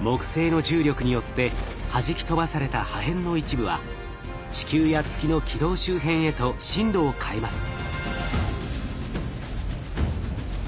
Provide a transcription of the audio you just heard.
木星の重力によってはじき飛ばされた破片の一部は地球や月の軌道周辺へと進路を変えます。